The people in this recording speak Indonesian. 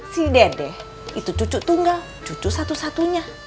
si dede itu cucu tunggal cucu satu satunya